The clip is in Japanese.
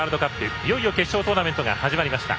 いよいよ決勝トーナメントが始まりました。